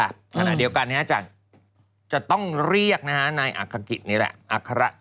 ขณะเดียวกันนี้จะต้องเรียกนายอักษรกิจนี่แหละ